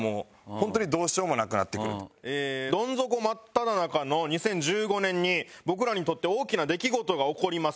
ドン底真っただ中の２０１５年に僕らにとって大きな出来事が起こります。